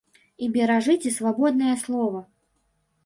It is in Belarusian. І беражыце свабоднае слова!